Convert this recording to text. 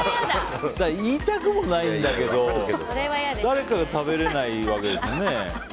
痛くもないんだけど誰かが食べれないわけですもんね。